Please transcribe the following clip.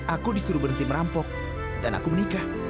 aku disuruh berhenti merampok dan aku menikah